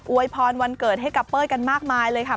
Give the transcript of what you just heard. วยพรวันเกิดให้กับเป้ยกันมากมายเลยค่ะ